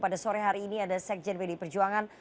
pada sore hari ini ada sekjen pdi perjuangan